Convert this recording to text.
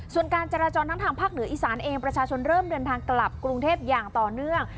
ส่วนการจราจรทั้งทางภาคเหนืออีสานเองประชาชนเริ่มเดินทางกลับกรุงเทพอย่างต่อเนื่อง